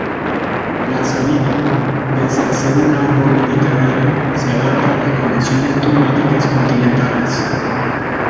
La sabina, pese a ser una árbol mediterráneo, se adapta a condiciones climáticas continentales.